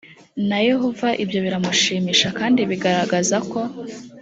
na yehova ibyo biramushimisha kandi bigaragaza ko